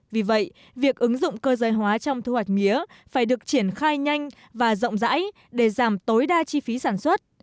vì vậy việc ứng dụng cơ giới hóa trong thu hoạch mía phải được triển khai nhanh và rộng rãi để giảm tối đa chi phí sản xuất